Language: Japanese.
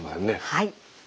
はい。